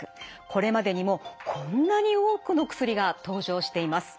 これまでにもこんなに多くの薬が登場しています。